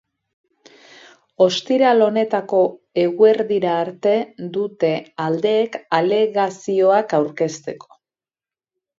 Ostiral honetako eguerdira arte dute aldeek alegazioak aurkezteko.